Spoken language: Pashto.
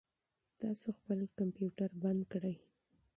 تاسو خپل کمپیوټر بند کړئ.